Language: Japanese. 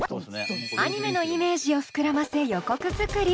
アニメのイメージを膨らませ予告作り！